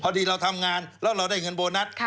พอดีเราทำงานแล้วเราได้เงินโบนัส